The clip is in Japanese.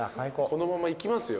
このまま行きますよ